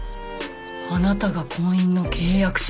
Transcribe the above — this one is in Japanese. あなたが婚姻の契約者？